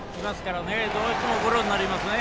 どうしてもゴロになりますね。